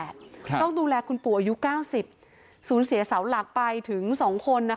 ต้องดูแลคุณปู่อายุ๙๐สูญเสียเสาหลักไปถึง๒คน